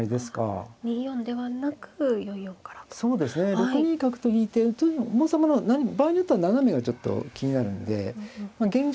６二角と引いて王様の場合によっては斜めがちょっと気になるんで現状